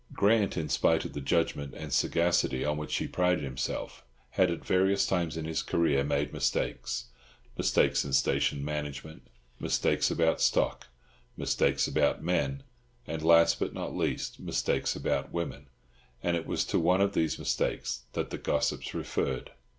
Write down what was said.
Grant, in spite of the judgment and sagacity on which he prided himself, had at various times in his career made mistakes—mistakes in station management, mistakes about stock, mistakes about men, and last, but not least, mistakes about women; and it was to one of these mistakes that the gossips referred.